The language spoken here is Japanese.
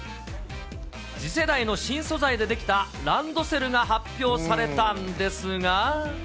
次世代の新素材で出来たランドセルが発表されたんですが。